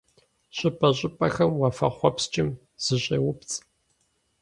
ЩӀыпӀэ-щӀыпӀэхэм уафэхъуэпскӀым зыщеупцӀ.